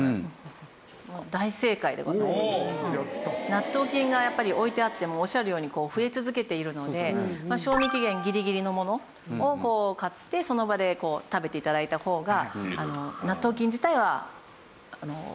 納豆菌がやっぱり置いてあってもおっしゃるように増え続けているので賞味期限ギリギリのものを買ってその場で食べて頂いた方が納豆菌自体は恩恵を受けられるというか。